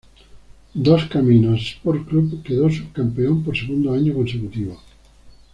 Dos Caminos Sport Club quedó subcampeón por segundo año consecutivo.